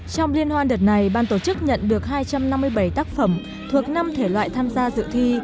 trong liên hoan đợt này ban tổ chức nhận được hai trăm năm mươi bảy tác phẩm thuộc năm thể loại tham gia dự thi